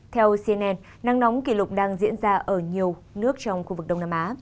theo cnn năng nóng kỷ lục đang diễn ra ở nhiều nước trong khu vực đông nam á